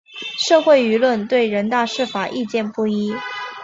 社会舆论对人大释法意见不一。